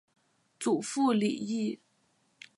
祖父李毅。